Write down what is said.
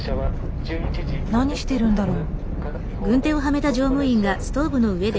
何してるんだろう？